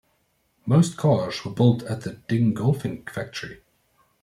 Most cars were built at the Dingolfing factory.